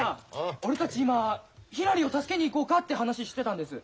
俺たち今ひらりを助けに行こうかって話してたんです。